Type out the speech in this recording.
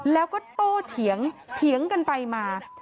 แล้วก็โตเถียงกันไปมา